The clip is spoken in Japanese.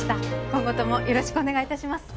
今後ともよろしくお願いいたします